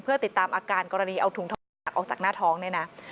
เพื่อติดตามอาการกรณีเอาถุงทองหักออกจากหน้าท้องเนี่ยนะ